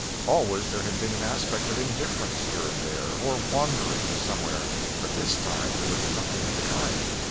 Always there had been an aspect of indifference, here and there, or wandering, somewhere; but this time there was nothing of the kind.